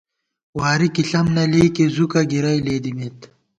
واری کی ݪم نہ لېئیکی زُکہ گِرَئی لېدِمېت